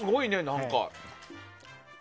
何か。